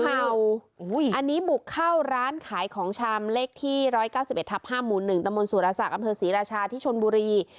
อันนี้หมูเข้าร้านขายของชามเล็กที่๑๙๑ทัพ๕๑สรษะสหรัชาที่ชลบูรี